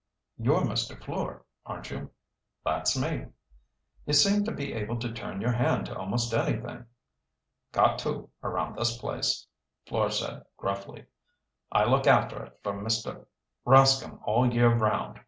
"You're Mr. Fleur, aren't you?" "That's me." "You seem to be able to turn your hand to almost anything." "Got to, around this place," Fleur said gruffly. "I look after it for Mr. Rascomb all year 'round.